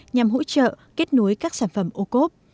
nhằm hỗ trợ kết nối các sản phẩm ocob